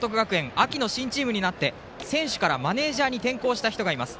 秋の新チームになって選手からマネージャーに転向した人がいます。